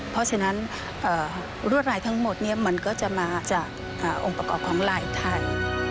เพราะฉะนั้นรวดลายทั้งหมดมันก็จะมาจากองค์ประกอบของลายไทย